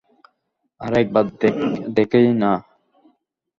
আরে, একবার দেখই না।